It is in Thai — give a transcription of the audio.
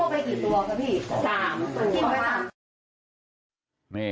เขาไปกี่ตัวครับพี่